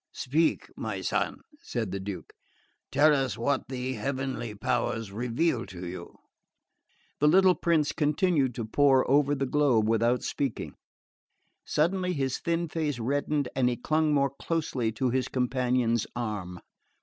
"Speak, my son," said the Duke. "Tell us what the heavenly powers reveal to you." The little prince continued to pore over the globe without speaking. Suddenly his thin face reddened and he clung more closely to his companion's arm.